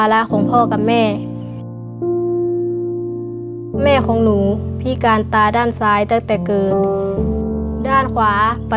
ส่วนพ่อของหนูพิการตาบอดสองข้าง